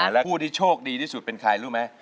และผู้ที่โชคดีที่สุดเป็นใครรู้ไหม